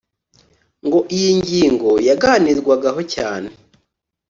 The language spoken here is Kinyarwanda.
ngo iyi ngingo yaganirwaho cyane